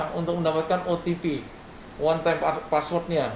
kita melakukan otp one time password nya